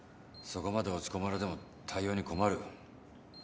そこまで落ち込まれても対応に困る。